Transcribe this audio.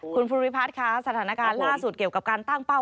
คุณภูริพัฒน์ค่ะสถานการณ์ล่าสุดเกี่ยวกับการตั้งเป้า